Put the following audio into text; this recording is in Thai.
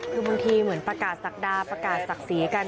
คือบางทีเหมือนประกาศศักดาประกาศศักดิ์ศรีกัน